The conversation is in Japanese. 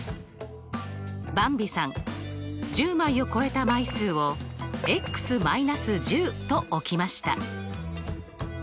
ばんびさん１０枚を超えた枚数を−１０と置きました。